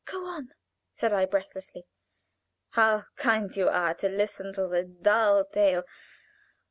"Go on!" said I, breathlessly. "How kind you are to listen to the dull tale!